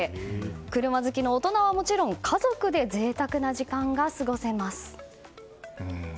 車好きの大人はもちろん家族で贅沢な時間が過ごせます。